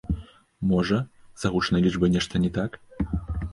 Можа, з агучанай лічбай нешта не так?